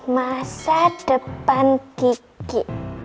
masa depan kiki